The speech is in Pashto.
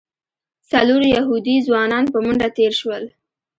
څلور یهودي ځوانان په منډه تېر شول.